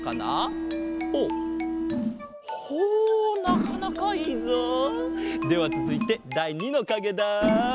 ほうほうなかなかいいぞ！ではつづいてだい２のかげだ！